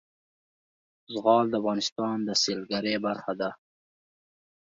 زغال د افغانستان د سیلګرۍ برخه ده.